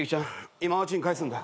今のうちに返すんだ。